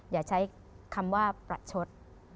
อย่าใช้คำว่าประชด